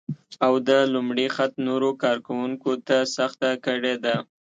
او د لومړي خط نورو کار کونکو ته سخته کړې ده